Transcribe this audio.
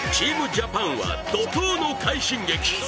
ジャパンは怒とうの快進撃。